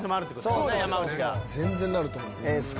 全然なると思います。